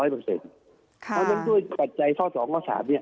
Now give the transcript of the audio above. พอมันด้วยปัจจัยข้อสองขวะสาม